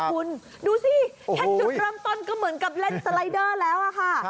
คุณดูสิแค่จุดเริ่มต้นก็เหมือนกับเล่นสไลเดอร์แล้วอะค่ะ